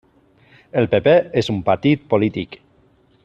El PP és un partit polític.